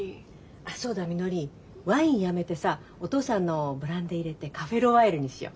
あっそうだみのりワインやめてさお父さんのブランデー入れてカフェロワイヤルにしよう。